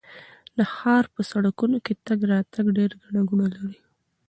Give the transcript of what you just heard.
د ښار په سړکونو کې تګ راتګ ډېر ګڼه ګوڼه لري.